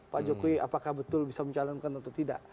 pak jokowi apakah betul bisa mencalonkan atau tidak